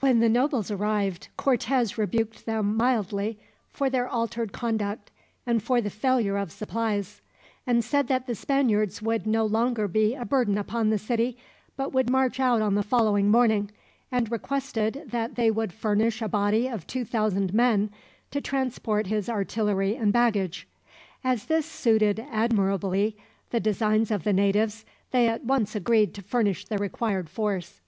When the nobles arrived, Cortez rebuked them mildly for their altered conduct and for the failure of supplies; and said that the Spaniards would no longer be a burden upon the city, but would march out on the following morning; and requested that they would furnish a body of two thousand men, to transport his artillery and baggage. As this suited admirably the designs of the natives, they at once agreed to furnish the required force.